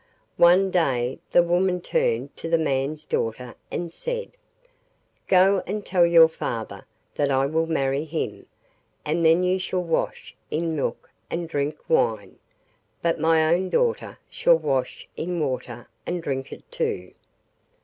One day the woman turned to the man's daughter and said: 'Go and tell your father that I will marry him, and then you shall wash in milk and drink wine, but my own daughter shall wash in water and drink it too.